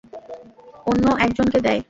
অন্য একজনকে দেয়।